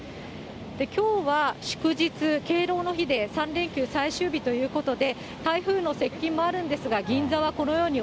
きょうは、祝日、敬老の日で３連休最終日ということで、台風の接近もあるんですが、銀座はこのように、